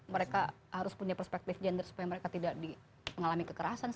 mereka harus punya perspektif gender supaya mereka tidak mengalami kekerasan